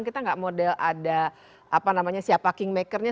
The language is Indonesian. kita gak model ada siapa king maker nya